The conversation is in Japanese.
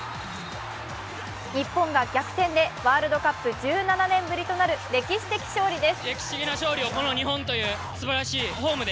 日本が逆転でワールドカップ１７年ぶりとなる歴史的勝利です。